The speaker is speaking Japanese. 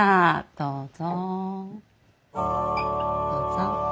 どうぞ。